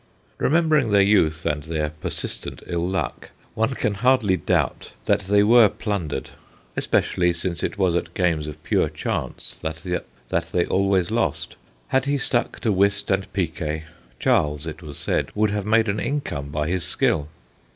Remembering their youth and their persistent ill luck, one can hardly doubt that they were plundered, 230 THE GHOSTS OF PICCADILLY especially since it was at games of pure chance that they always lost : had he stuck to whist and piquet, Charles, it was said, would have made an income by his skill.